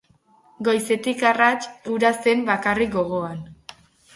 Goizetik arrats, hura zuen bakarrik gogoan!